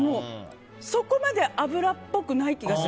そこまで脂っぽくない気がする。